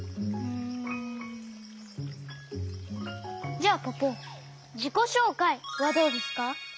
じゃあポポじこしょうかいはどうですか？